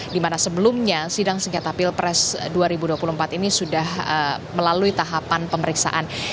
dimana sebelumnya sidang sengketa pilpres dua ribu dua puluh empat ini sudah melalui tahapan pemeriksaan